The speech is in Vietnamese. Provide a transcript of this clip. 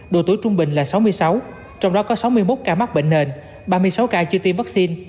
độ tuổi trung bình là sáu mươi sáu trong đó có sáu mươi một ca mắc bệnh nền ba mươi sáu ca chưa tiêm vaccine